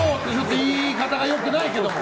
言い方がよくないけども。